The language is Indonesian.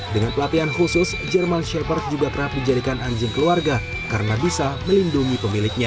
dengan pelatihan khusus jerman shepher juga kerap dijadikan anjing keluarga karena bisa melindungi pemiliknya